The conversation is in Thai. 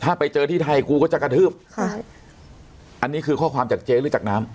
ถ้าไปเจอที่ไทยกูก็จะกระทืบค่ะอันนี้คือข้อความจากเจ๊หรือจากน้ำ